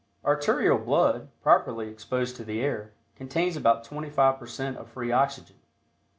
Arterial blood, properly exposed to the air, contains about 25 per cent of free oxygen.